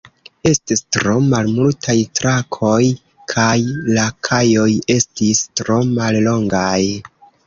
Estis tro malmultaj trakoj kaj la kajoj estis tro mallongaj.